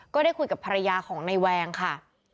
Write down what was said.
ก็ได้คุยกับภรรยาของนายแวงค่ะ